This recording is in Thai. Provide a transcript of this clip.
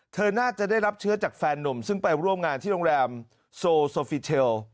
น่าจะได้รับเชื้อจากแฟนนุ่มซึ่งไปร่วมงานที่โรงแรมโซฟิเทล